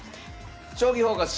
「将棋フォーカス」